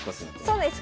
そうです。